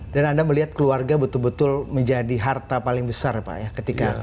dan anda melihat keluarga betul betul menjadi harta paling besar pak ya